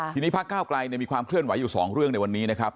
ทีนี้พักเก้าไกลมีความเคลื่อนไหวอยู่๒เรื่องในวันนี้นะครับ